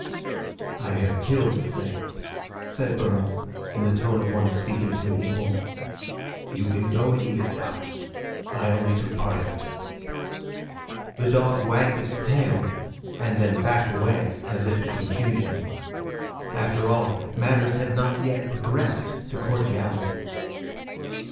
"I have killed the thing," said Burl, in the tone of one speaking to an equal. "You can go and eat it now. I took only part of it." The dog wagged its tail and then backed away as if in confusion. After all, matters had not yet progressed to cordiality.